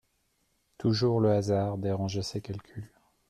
Toujours le hasard dérangeait ses calculs.